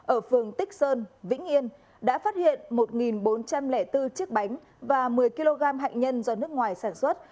ở phường tích sơn vĩnh yên đã phát hiện một bốn trăm linh bốn chiếc bánh và một mươi kg hạt nhân do nước ngoài sản xuất